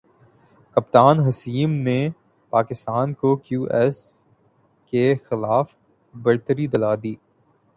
کپتان حسیم نے پاکستان کو کیویز کے خلاف برتری دلا دی